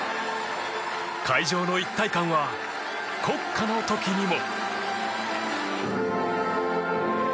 会場の一体感は国歌の時にも。